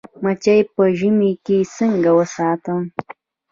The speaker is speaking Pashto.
مچۍ په ژمي کې څنګه وساتم؟